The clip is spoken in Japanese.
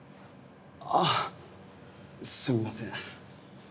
あっすみません。